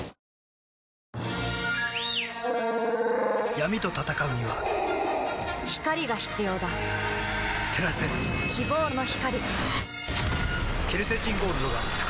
闇と闘うには光が必要だ照らせ希望の光